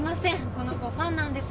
この子ファンなんです